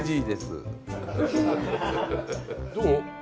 どう？